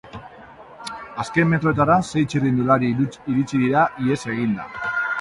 Azken metroetara sei txirrindulari iritsi dira ihes eginda.